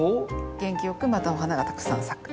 元気よくまたお花がたくさん咲く。